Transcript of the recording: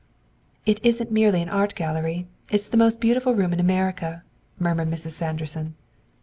"It isn't merely an art gallery; it's the most beautiful room in America," murmured Mrs. Sanderson.